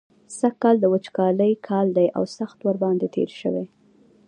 سږکال د وچکالۍ کال دی او سخت ورباندې تېر شوی.